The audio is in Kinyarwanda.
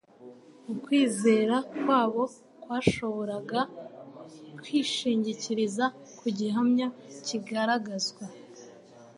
Ukwizera kwabo kwashoboraga k«,ishingikiriza ku gihamya kigaragazwa